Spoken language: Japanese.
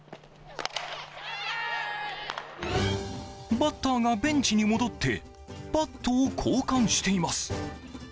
バッターがベンチに戻ってバットを交換しています。